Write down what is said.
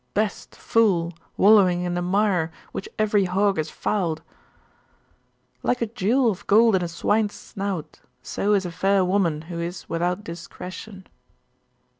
Best! fool! wallowing in the mire which every hog has fouled!' 'Like a jewel of gold in a swine's snout, so is a fair woman who is without discretion.